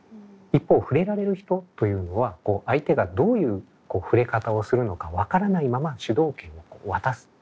一方ふれられる人というのは相手がどういうふれ方をするのか分からないまま主導権を渡す。